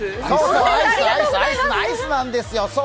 そう、アイスなんですよ